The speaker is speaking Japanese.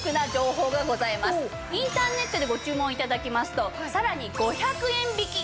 インターネットでご注文頂きますとさらに５００円引き。